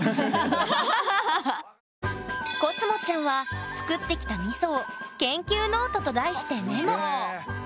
こすもちゃんは作ってきたみそを研究ノートと題してメモ。